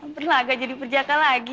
berlagak jadi perjaka lagi